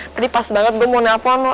tadi pas banget gue mau telfon lo